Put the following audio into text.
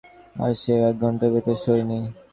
আর সে-ও এক ঘণ্টার ভেতরে শোয়নি।